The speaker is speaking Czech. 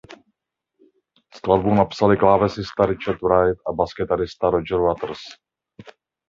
Skladbu napsali klávesista Richard Wright a baskytarista Roger Waters.